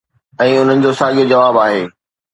۽ انهن جو ساڳيو جواب آهي